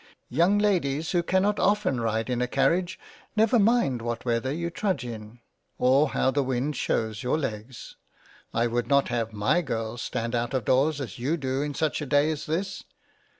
You young Ladies who can not often ride in a Carriage never mind what weather you trudge in, or how the wind shews your legs. I would not have my Girls stand out of doors as you do in such a day as this.